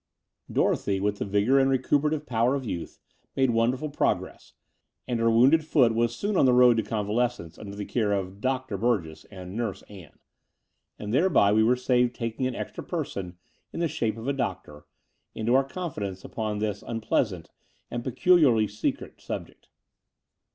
Dorothy, with the vigour and recuperative power of youth, made wonderful progress, and her wounded foot was soon on the road to conval escence under the care of ''Doctor" Burgess and '* Nurse" Ann; and thereby we were saved taking an extra person, in the shape of a doctor, into our confidence upon this unpleasant and peculiarly secret subject.